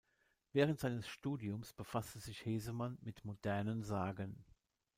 Während seines Studiums befasste sich Hesemann mit modernen Sagen.